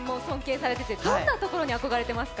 どんなところに憧れてますか？